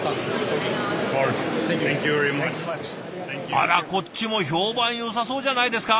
あらこっちも評判よさそうじゃないですか！